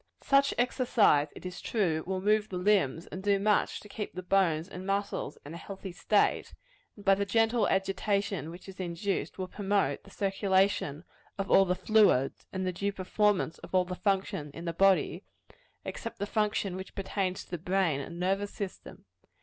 Such exercise, it is true, will move the limbs, and do much to keep the bones and muscles in a healthy state; and by the gentle agitation which is induced, will promote the circulation of all the fluids, and the due performance of all the functions of the body except the function which pertains to the brain and nervous system.